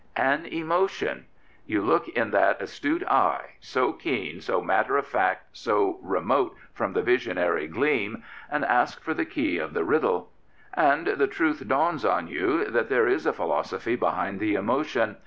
An emotion I You look in that astute eye, so keen, G 189 Prophets, Priests, and Kings SO matter of fact, so remote from the visionary gleam, and ask for the key of the riddle. And the truth dawns on you that there is a philosophy behind the emotion.